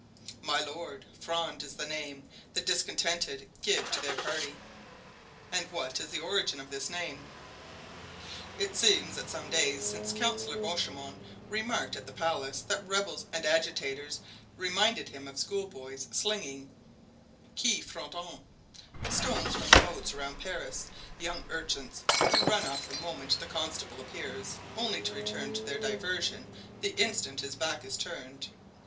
"My lord, Fronde is the name the discontented give to their party." "And what is the origin of this name?" "It seems that some days since Councillor Bachaumont remarked at the palace that rebels and agitators reminded him of schoolboys slinging—qui frondent—stones from the moats round Paris, young urchins who run off the moment the constable appears, only to return to their diversion the instant his back is turned.